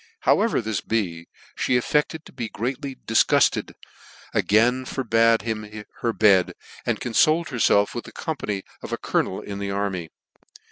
Hoivever this be, fhe affected to be greatly dif gufted, again forbad him her bed, and confolecf herfelf with the company of a colonel in the army.